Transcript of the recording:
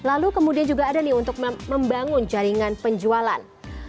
lalu kemudian juga ada nih untuk membangun jaringan penjualan